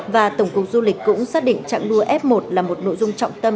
và tổng cục du lịch cũng xác định trạng đua f một là một nội dung trọng tâm